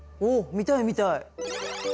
見たい見たい。